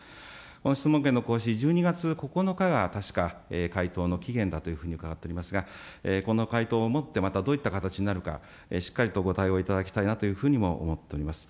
この質問権の行使、１２月９日が、確か回答の期限だというふうに伺っておりますが、この回答をもってまたどういった形になるか、しっかりとご対応いただきたいなというふうにも思っております。